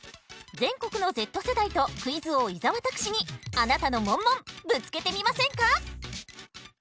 全国のＺ世代とクイズ王伊沢拓司にあなたのモンモンぶつけてみませんか？